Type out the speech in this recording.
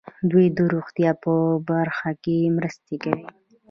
دوی د روغتیا په برخه کې مرستې کوي.